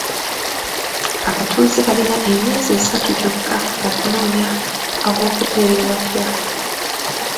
Abatuuze balina emyezi esatu gyokka okunoonya aw'okubeera ewapya.